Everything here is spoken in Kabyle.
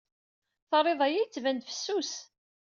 Terrid aya yettban-d fessus.